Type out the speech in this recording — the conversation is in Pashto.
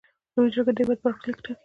لویه جرګه د هیواد برخلیک ټاکي.